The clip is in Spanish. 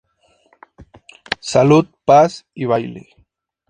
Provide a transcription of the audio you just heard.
Salud, paz y baile.